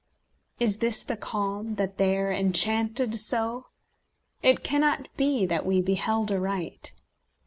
Is this the calm that there enchanted so? It cannot be that we beheld aright.